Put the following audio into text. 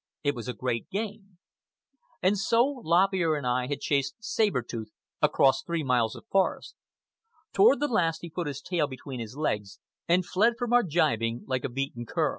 It was a great game. And so Lop Ear and I had chased Saber Tooth across three miles of forest. Toward the last he put his tail between his legs and fled from our gibing like a beaten cur.